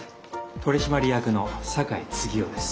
取締役の酒井次雄です。